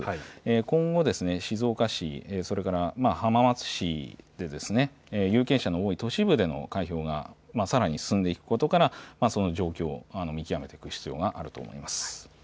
今後、静岡市、浜松市、有権者が多い都市部の開票が進んでいくことから状況を見極めていく必要があると思います。